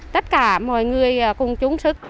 tất cả mọi người cùng chung sức